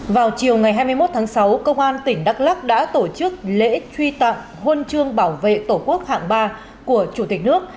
vào chiều ngày hai mươi một tháng sáu công an tỉnh đắk lắc đã tổ chức lễ truy tặng huân chương bảo vệ tổ quốc hạng ba của chủ tịch nước